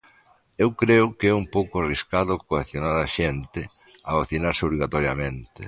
Eu creo que é un pouco arriscado coaccionar a xente a vacinarse obrigatoriamente.